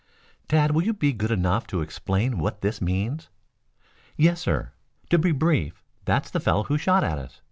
"Tad, will you be good enough to explain what this means?" "Yes, sir. To be brief that's the fellow who shot at us.